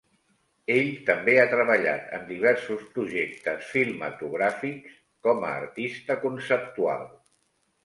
Ell també ha treballat en diversos projectes filmatogràfics com a artista conceptual.